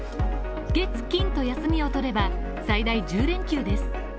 月、金と休みを取れば最大１０連休です。